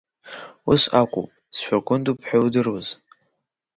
Ус акәыз, сшәыргәындоуп ҳәа иудыруаз…